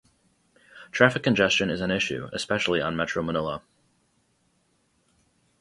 Traffic congestion is an issue, especially on Metro Manila.